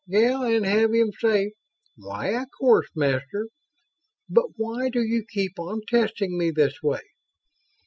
"Yeah and have him say 'Why, of course, Master, but why do you keep on testing me this way?'